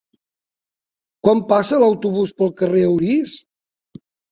Quan passa l'autobús pel carrer Orís?